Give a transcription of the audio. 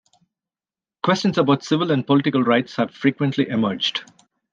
Questions about civil and political rights have frequently emerged.